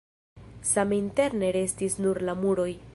Same interne restis nur la muroj.